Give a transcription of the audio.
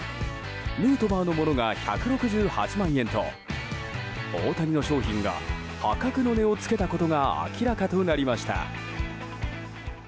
ヌートバーのものが１６８万円と大谷の商品が破格の値を付けたことが明らかとなりました。